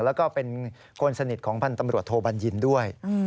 แล้วก็เป็นคนสนิทของพันธ์ตำรวจโทบัญญินด้วย